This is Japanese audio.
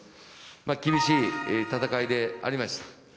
厳しい戦いでありました。